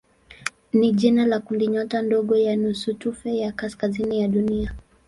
ni jina la kundinyota ndogo ya nusutufe ya kaskazini ya Dunia.